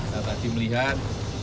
kita tadi melihat